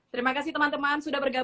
terima kasih teman teman sudah bergabung